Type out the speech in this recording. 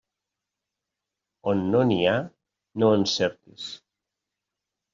On no n'hi ha, no en cerquis.